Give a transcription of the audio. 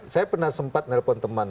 saya pernah sempat nelpon teman